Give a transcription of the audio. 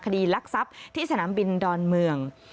คดีลักษัพที่สนามบินดอนเมือง